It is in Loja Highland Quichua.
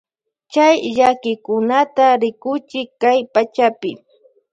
Chay llakikunata rikunchi kay pachapi.